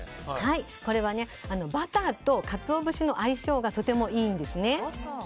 バターとカツオ節の相性がとてもいいんですね。